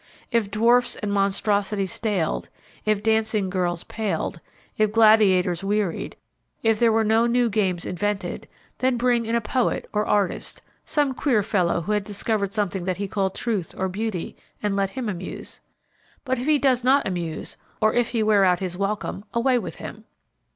If dwarfs and monstrosities staled; if dancing girls palled; if gladiators wearied; if there were no new games invented then bring in a poet or artist some queer fellow who had discovered something that he called truth or beauty, and let him amuse. But if he does not amuse, or if he wear out his welcome, away with him.